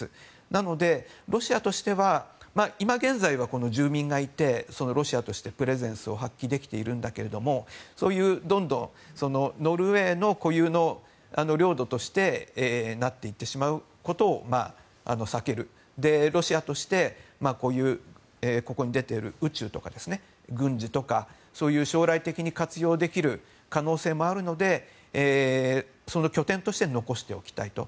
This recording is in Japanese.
なので、ロシアとしては今現在は住民がいてロシアとしてプレゼンスを発揮できているんだけどそういうどんどんノルウェーの固有の領土としてなっていってしまうことを避けるロシアとして、こういうここに出ている宇宙とか軍事とかそういう、将来的に活用できる可能性もあるのでその拠点として残しておきたいと。